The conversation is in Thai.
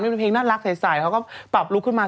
เป็นเพลงน่ารักใสเขาก็ปรับลุกขึ้นมา